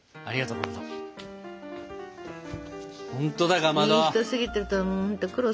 ありがと。